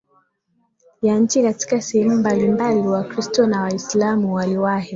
ya nchi Katika sehemu mbalimbali Wakristo na Waislamu waliwahi